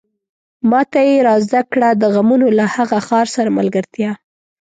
ماته يې را زده کړه د غمونو له هغه ښار سره ملګرتيا